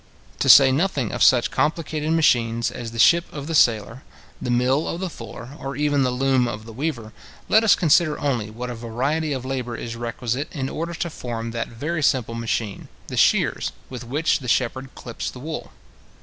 To say nothing of such complicated machines as the ship of the sailor, the mill of the fuller, or even the loom of the weaver, let us consider only what a variety of labour is requisite in order to form that very simple machine, the shears with which the shepherd clips the wool.